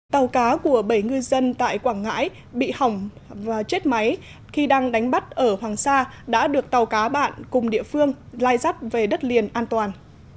tàu cá của bảy ngư dân tại quảng ngãi bị hỏng và chết máy khi đang đánh bắt ở hoàng sa đã được tàu cá bạn cùng địa phương lai dắt về đất liền an toàn